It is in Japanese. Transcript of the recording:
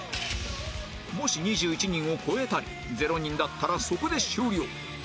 もし２１人を超えたり０人だったらそこで終了